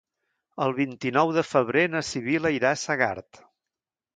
El vint-i-nou de febrer na Sibil·la irà a Segart.